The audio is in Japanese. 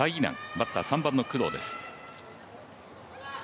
バッター３番の工藤です。